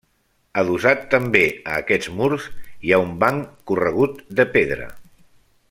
Adossat també a aquests murs hi ha un banc corregut de pedra.